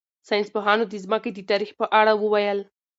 ساینس پوهانو د ځمکې د تاریخ په اړه وویل.